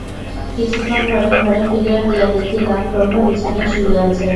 কিছুক্ষণ পরে ঘরে ফিরিয়া গিয়া দেখিলাম প্রভা বিছানায় শুইয়া আছে।